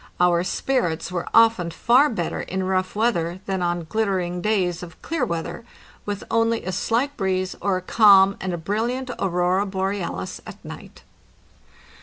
Our spirits were often far better in rough weather than on glittering days of clear weather, with only a slight breeze or a calm and a brilliant aurora borealis at night.